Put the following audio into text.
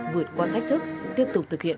vượt qua thách thức tiếp tục thực hiện